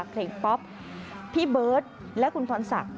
เพลงป๊อปพี่เบิร์ตและคุณพรศักดิ